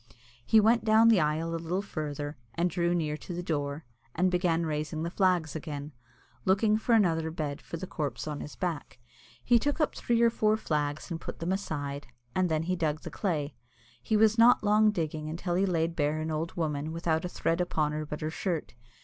He went down the aisle a little further, and drew near to the door, and began raising the flags again, looking for another bed for the corpse on his back. He took up three or four flags and put them aside, and then he dug the clay. He was not long digging until he laid bare an old woman without a thread upon her but her shirt.